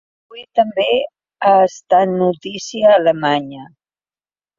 Avui també ha estat notícia Alemanya.